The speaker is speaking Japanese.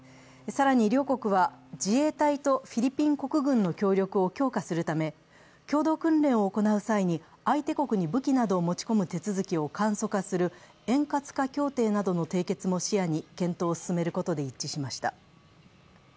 更に両国は、自衛隊とフィリピン国軍の協力を強化するため共同訓練を行う際に相手国に武器などを持ち込む手続きを簡素化する円滑化協定などの締結も視野に検討を進めることで一致しました。